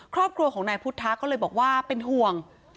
ครอบครัวของนายพุทธะก็เลยบอกว่าเป็นห่วง